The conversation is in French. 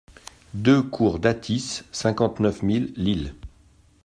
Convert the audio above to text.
deux cour Dathis, cinquante-neuf mille Lille